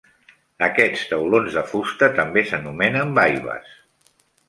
Aquests taulons de fusta també s'anomenen baibes.